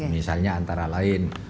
misalnya antara lain